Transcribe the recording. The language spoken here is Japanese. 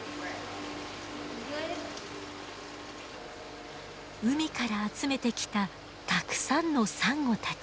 海から集めてきたたくさんのサンゴたち。